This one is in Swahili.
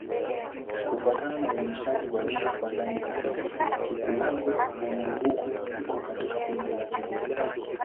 Kufuatana na uainishaji wa lugha kwa ndani zaidi, Kikulango-Bondoukou iko katika kundi la Kigur.